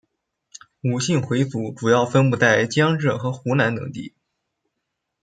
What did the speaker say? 伍姓回族主要分布在江浙和湖南等地。